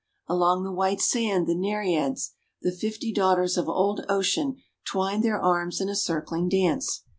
Along the white sand the Nereids, the fifty daughters of Old Ocean, twined their arms in a circling dance.